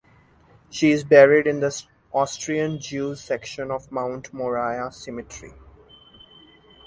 She is buried in the Austrian Jews section of Mount Moriah Cemetery.